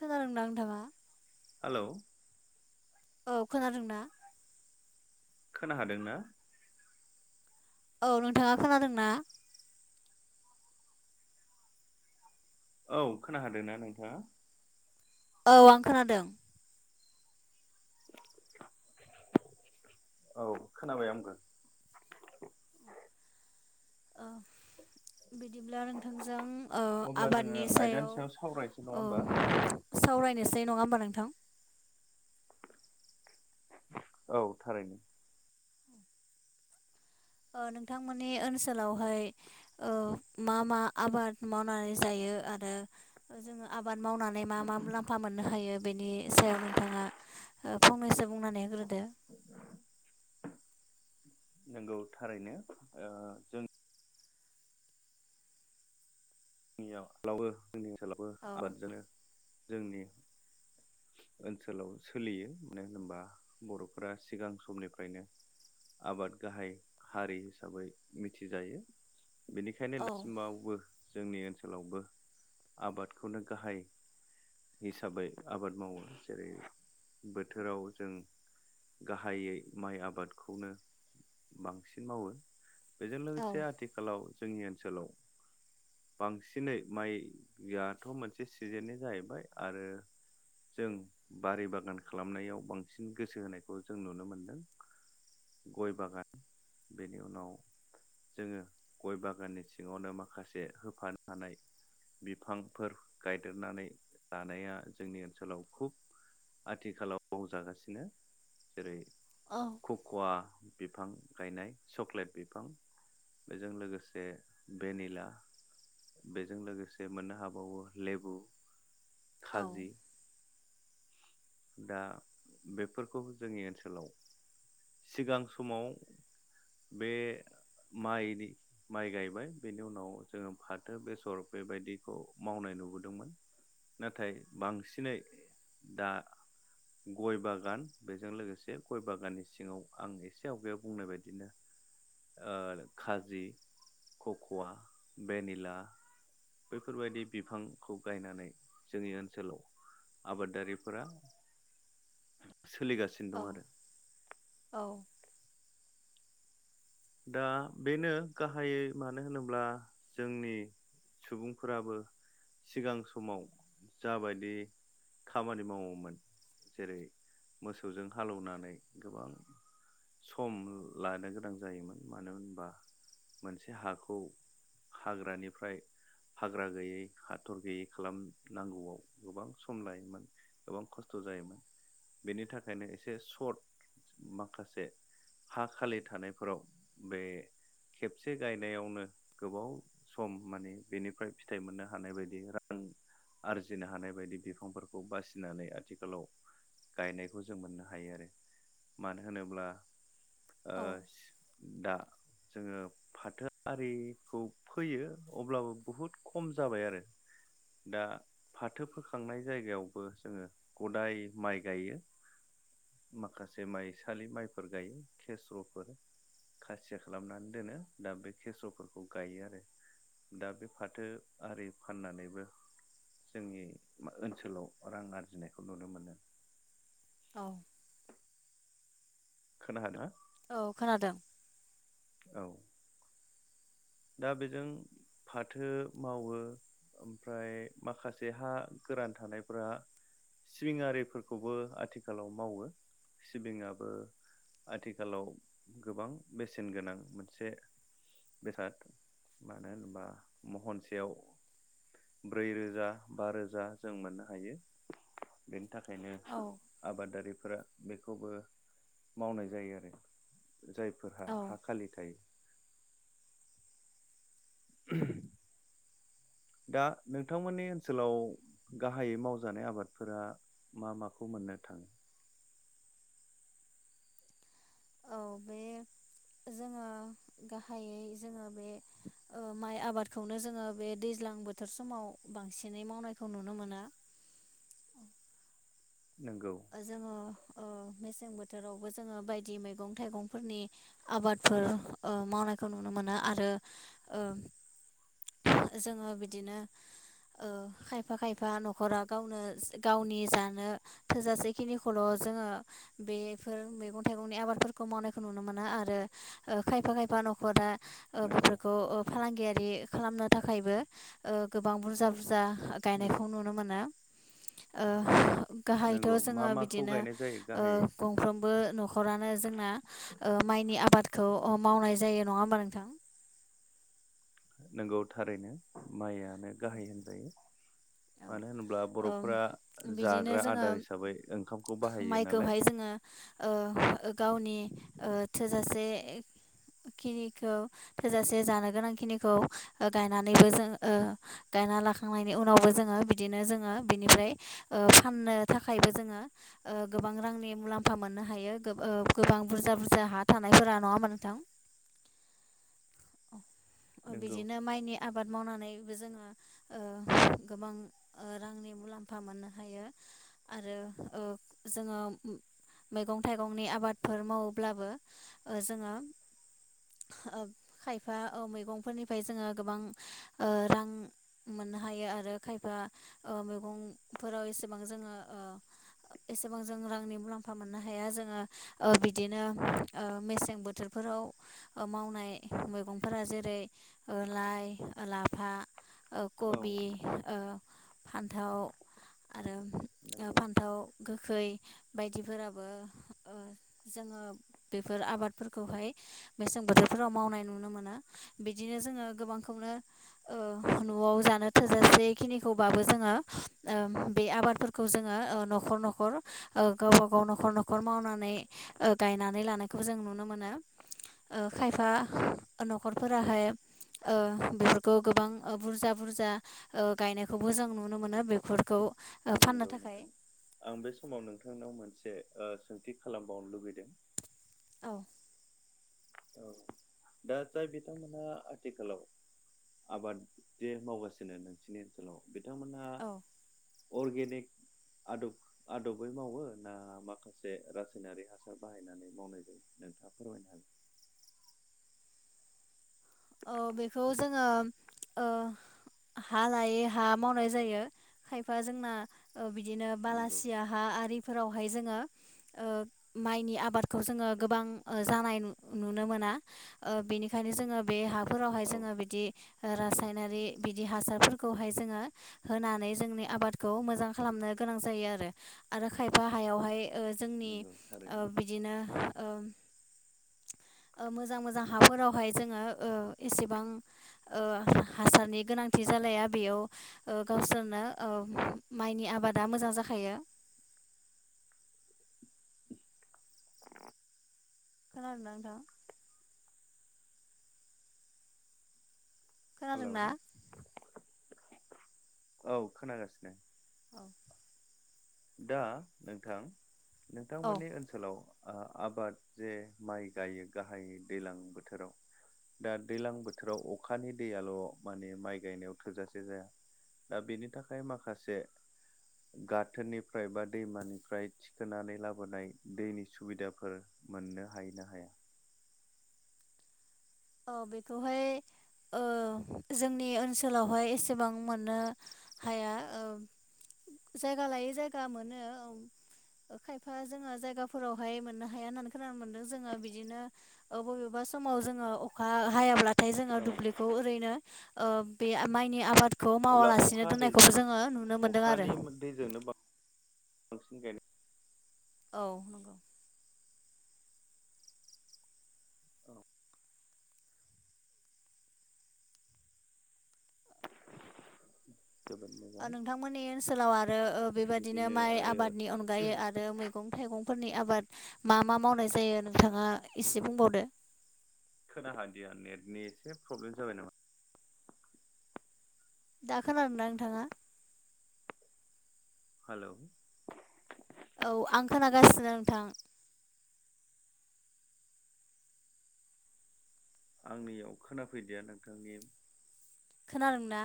खोनादोंं ना नोंथाङा? हेलौ। औ खोनादों दा खोना हादों ना? औ नोंथांङा खोनादों ना? औ खोना हादो ना नोंथाङा? औ आं खोनादों। औ खोनाबाय आंबो। ओ बिदिब्ला नोंथांजों ओ अब्ला जोङो आबादनि आयदानि सावरायनोसै नङा सायाव औ होमबा सावरायनोसै नङा होमबा नोंथां। औ थारैनो। ओ नोंथांमोननि ओनसोलावहाय ओ मा मा आबाद मावनानै जा यो आरो जोङो आबाद मावनानै मा मा मुलाम्फा मोननो हायो बेनि सायाव नोंथाङा ओ फंनैसो बुंनानै होग्रोदो। नोंगौ थारैनो ओ जों जोंनिब्लावबो जोंनि ओनसोलावबो औ आबादजोनो जोंनि ओनसोलाव सोलियो। मानो होनबा बर'फोरा सिगां समनिफ्रायनो आबाद गाहाय हारि हिसाबै मिथिजायो। बेनिखायनो औ दासिमावबो जोंनि ओनसोलावबो आबादखौनो गाहाय हिसाबै आबाद मावो। जेरै बोथोराव जों गाहायै माइ आबादखौनो बांसिन मावो। बेजों औ लोगोसे आथिखालाव जोंनि ओनसोलाव बांसिनै माइयाआथ' मोनसे सिजेननि जाहैबाय आरो जों बारि बागान खालामनायाव बांसिन गोसो होनायखौ जों नुनो मोनदों। गय बागान। बेनि उनाव जोङो गय बागाननि सिङावनो माखासे होफानानै बिफांफोर गायदेरनानै लानाया जोंनि ओनसोलाव खुब आथिखालाव मावजागासिनो। जेरै औ खक'वा बिफां गायनाय चक्लेट बिफां बेजों लोगोसे भेनिला बेजों लोगोसे मोननो हाबावो लेबु औ खाजि दा बेफोरखौ जोंनि ओनसोलाव सिगां समाव बे माइनि माइ गायबाय बेनि उनाव जोङो फाथो बेसर बेबायदिखौ मावनाय नुबोदोंमोन। नाथाय बांसिनै दा [unintelligible] गय बागान बेजों लोगोसे गय बागाननि सिङाव आं एसे आवगायाव बुंनाय बायदिनो ओ खाजि खक'वा भेनिला बैफोरबायदि बिफांखौ गायनानै जोंनि ओनसोलाव आबादारिफोरा सोलिगासिनो दं आरो। औ दा बेनो गाहायै मानो होनोब्ला जोंनि सुबुंफोराबो सिगां समाव जाबायदि खामानि मावोमोन जेरै मोसौजों हालौनानै गोबां सम लानो गोनां जायोमोन मानो होनबा मोनसे हाखौ हाग्रानिफ्राय हाग्रा गैयै हाथर गैयै खालामनांगौआव गोबां सम लायोमोन गोबां खस्थ' जायोमोन। बेनि थाखायनो एसे सर्ट माखासे हा खालि थानायफोराव। बे खेबसे गायनायावनो गोबाव सम माने बेनिफ्राय फिथाइ मोननो हानाय बायदि रां आरजिनो हानाय बायदि बिफांफोरखौ बासिनानै आथिखालाव। गायनायखौ जों मोननो हायो आरो मानो होनोब्ला ओ औ दा जोङो फाथो आरिखौ फोयो अब्लाबो बुहुद खम जाबाय आरो। दा फाथो फोखांनाय जायगायावबो जोङो गदाय माइ गायो। माखासे माइसालि माइफोर गायो खेस्र'फोर। खारसिया खालामनानै दोनो दा बे खेस्र'फोरखौ गायो आरो। दा बे फाथो आरि फाननानैबो जोंनि ओनसोलाव रां आरजिनायखौ नुनो मोनो। औ खोना हादों ना? औ खोनादों। औ दा बेजों फाथो मावो‌ ओमफ्राय माखासे हा गोरान थानायफोरा सिबिं आरिफोरखौबो आथिखालाव मावो सिबिङाबो आथिखालाव गोबां बेसेन गोनां मोनसे बेसाद। मानो होनोबा महनसेयाव ब्रैरोजा बा रोजा जों मोननो हायो बे नि थाखायनो औ आबादारिफोरा बेखौबो मावनाय जायो आरो। जायफोरहा हा औ खालि थायो [unintelligible] दा नोंथांमोननि ओनसोलाव गाहायै मावजानाय आबादफोरा मा माखौ मोननो थाङो? औ बे जोङो गाहायै जोङो बे ओ माइ आबादखौनो जोङो बे दैज्लां बोथोर समाव बांसिनै मावनायखौ नुनो मोनो। औ नंगौ जोङो ओ मेसें बोथो थोरावबो जोङो बायदि मैगं थाइगंफोरनि आबादफोर मावनायखौ ओ नुनो मोनो आरो ओ जोङो बिदिनो ओ खायफा खायफा न'खरा गावनो गावनि जानो थोजासे खिनिखौल' जोङो बेफोर मैगं थाइगंनि आबादफोरखौ मावनायखौ नुनो मोनो आरो ओ खायफा खायफा नखरा ओ नंगौ बेफोरखौ ओ फालांगियारि खालामनो थाखायबो ओ गोबां बुरजा बुरजा उम गायनायखौ नुनो मोना ओ नंगौ थ' मा जोङो माखौ बिदिनो गायनाय जायो ओ गाहाय गंफ्रोमबो न नखरानो जोंना माइनि आबाद खौ मावनाय जायो नङा होमबा नोंथां नोंगौ थारैनो माइआनो औ गाहाय होनजायो औ मानो होनोब्ला ओम बरफोरा बिदिनो जाग्रा जोङो आदार हिसाबै ओंखामखौ बाहायो नालाय माइखौहाय जोङो ओ गावनि ओ थोजासे खिनिखौ थोजासे जानो गोनां खिनिखौ गायनानैबो जों ओ गायना लाखांनायनि उनावबो जों बिदिनो जोङो बिनिफ्राय ओ फाननो थाखायबो जोङोओ गोबां रांनि मुलामफा मुफा मोननो हायो ओ गोबां बुरजा बुरजा हा थानायफोरा नङाहोनबा नोंथां नंगौ बिदिनो माइनि आबाद मावनानैबो जोङो ओ गोबां रांनि मुलाम्फा मोननो हायो आरो ओ जोङो मैगं थाइगंनि आबादफोर मावोब्लाबो ओ जोङो ओ खायफा ओ मैगंफोरनिफ्राय जोङो ओ गोबां रां मोननो हायो आरो खायफा मैगंफोराव एसेबां जोङो ओ एसेबां जों रांनि मुलाम्फा मोननो हाया जोङो ओ बिदिनो ओ मेसें बोथोर औव ओ मावनाय मैगंफोरा जेरै ओ लाइ लाफा औ कबि ओ फान्थाव आरो ओ नंगौ फान्थाव गोखै बायदिफोराबो ओ जोङो बेफोर आबादफोरखौहाय बेसेन बोथोर फोराव मावनाय नुनो मोनो बिदिनो जोङो गोबांखौनो ओ नंगौ नआव जानो थोजासेखिनिखौबाबो जोङो ओ बे आबादफोरखौ जोङो ओ नखर नखर नखर ओ गावबा गाव न'खर नखर मावनानै गायनानै लानायखौ जों नुनो मोनो ओ खायफा नखरफोराहाय ओ बेफोरखौ गोबां बुरजा बुरजा गायनायखौबो जों नुनो मोनो बेफोरखौ ओ फाननो नंगौ थाखाय नोंथां आं बे समाव नोंथांनाव मोनसे ओ सोंथि खालामबावनो लुबैदों औ औ दा जाय बिथांमोना आथिखालाव आबाद जे मावगासिनो नोंसिनि ओनसोलाव बिथांमोनहा औ अर्गेनिक आदब आदबै मावो ना माखासे रासायनारि हासार बाहायनानै मावनाय जायो नोंथांङा फोरमायनो हागोन औ बेखौ जोङो ओ हा लायै हा मावनाय जायो खायफा जोंना ओ बिदिनो नंगौ बालासिया हा आरिफोरावहाय जोङो ओ माइनि आबादखौ जोङो गोबां ओ जानाय नुनो मोना ओ बेनिखायनो जोङो बे हाफोरावहाय औ जोङो बिदि रासायनारि बिदि हासारफोरखौहाय जोङो होनानै जोंनि आबादखौ मोजां खालामनो गोनां जायो आरो आरो खायफा हायावहाय ओ जोंनि नंगौ ओ थारैनो बिदिनो ओ मोजां मोजां हाफोरावहाय जोङो ओ एसेबां ओ हासारनि गोनांथि जालाया बेयाव ओ गावसोरनो ओ माइनि आबा मोजां जायो खोनादों ना नोंथां हेलौ खोनादोंना औ खोनागासिनो औ दा नोंथां औ नोंथांमोननि ओनसोलाव ओ आबाद जे माइ गायो गाहाय दैज्लां बोथोराव दा दैज्लां बोथोराव अखानि दैयाल' माने माइ गायनायाव थोजासे जाया दा बेनि थाखाय माखासे गाथोननि फ्राय बा दैमानिफ्राय थिखोनानै लाबोनाय दैनि सुबिदाफोर मोननो हायो ना हाया? [inaudible] औ बेखौहाय ओ जोंनि ओनसोलावहाय एसेबां मोननो हाया ओ जायगा लायै जायगा मोनो खायफा जोङो जायगाफोरावहाय मोननो हाया होननानै खोनानो मोनदों जोङो बिदिनो बबेबा समाव जोङो अखा हायाब्लाथाय जोङो दुब्लिखौ ओरैनो ओ बे माइनि आबाद खौ अब्ला मावालासिनो अखा दैजों दोननायखौबो जोङो नुनो मोनदों आरो। अखानि दैजोंनो [unintelligible] औ नंगौ। औ जोबोद मोजां नोंथांमोननि ओनसोलाव आरो बेबाददिनो बिदिनो माइ आरो आबादनि अनगायै आरो मैगं थाइगंफोर फोरनि आबाद मा मा मावनाय जायो नोंथाङा एसे बुंबावदो। खोना हादिया नेटनि एसे प्रब्लेम जाबाय नामा? दा खोना दोंना नोंथाङा? हेल'। औ आं खोनागासिनो नोंथां आंनियाव खोनाफैदिया नोंथांनि खोनादों ना?